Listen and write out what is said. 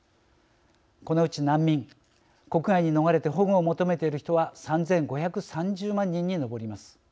このうち難民国外に逃れて保護を求めている人は３，５３０万人に上ります。